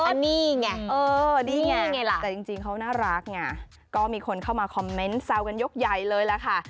อันนี้ไงเออนี่ไงล่ะแต่จริงเขาน่ารักไงก็มีคนเข้ามาคอมเมนต์แซวกันยกใหญ่เลยล่ะค่ะ